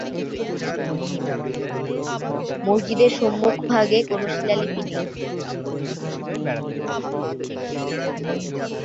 মসজিদের সম্মুখভাগে কোন শিলালিপি নেই।